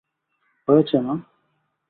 হয়েছে, মা?